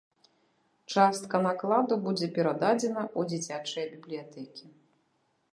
Частка накладу будзе перададзена ў дзіцячыя бібліятэкі.